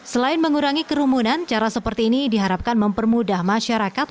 selain mengurangi kerumunan cara seperti ini diharapkan mempermudah masyarakat